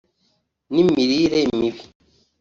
n’imirire mibi